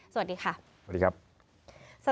สวัสดีค่ะสวัสดีครับสวัสดีครับ